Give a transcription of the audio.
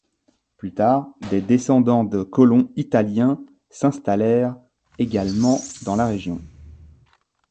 Plus tard, des descendants de colons italiens s'installèrent également dans la région.